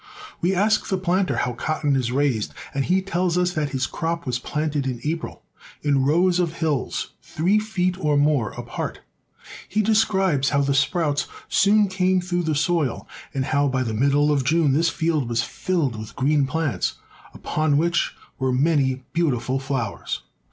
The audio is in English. We ask the planter how cotton is raised, and he tells us that his crop was planted in April, in rows of hills three feet or more apart. He describes how the sprouts soon came through the soil, and how by the middle of June this field was filled with green plants upon which were many beautiful flowers.